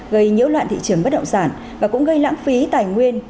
gây nhiễu loạn thị trường bất động sản và cũng gây lãng phí tài nguyên